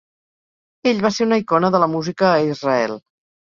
Ell va ser una icona de la música a Israel.